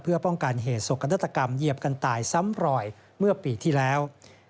เพื่อป้องกันเหตุสกนาฏกรรมเหยียบกันตายซ้ำรอยเมื่อปีที่แล้ว